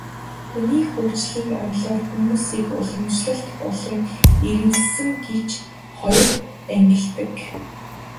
Хүний хөгжлийн онолоор хүмүүсийг уламжлалт болон иргэншсэн гэж хоёр ангилдаг.